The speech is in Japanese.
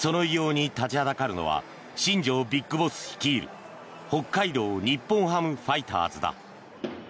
その偉業に立ちはだかるのは新庄ＢＩＧＢＯＳＳ率いる北海道日本ハムファイターズだ。